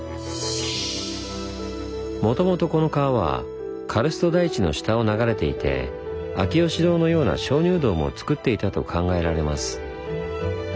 もともとこの川はカルスト台地の下を流れていて秋芳洞のような鍾乳洞もつくっていたと考えられます。